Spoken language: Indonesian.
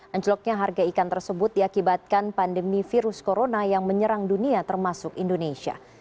anjloknya harga ikan tersebut diakibatkan pandemi virus corona yang menyerang dunia termasuk indonesia